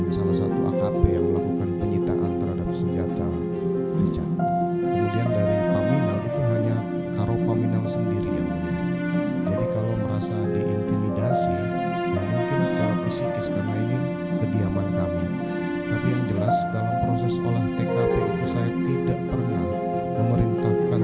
saya cuma mendengar cerita